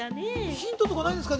ヒントとかないんですか？